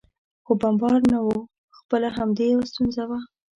خو بمبار نه و، خپله همدې یو ستونزه وه.